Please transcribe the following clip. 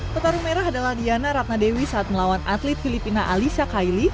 pertarung merah adalah diana ratnadewi saat melawan atlet filipina alisa kaili